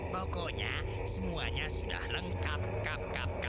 pokoknya semuanya sudah lengkap